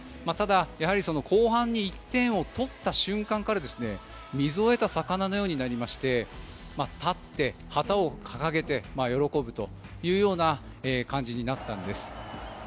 やはり後半に１点を取った瞬間から水を得た魚のようになりまして立って旗を掲げて喜ぶというような感じになったんです。